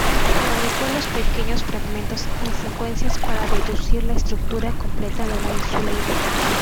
Reagrupó los pequeños fragmentos en secuencias para deducir la estructura completa de la insulina.